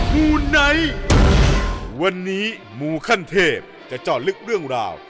มูไนท์วันนี้มูขั้นเทพจะเจาะลึกเรื่องราว